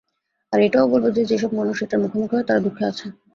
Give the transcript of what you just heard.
আর এটাও বলব যে, যেসব মানুষ এটার মুখোমুখি হয় তারা দুঃখে আছে।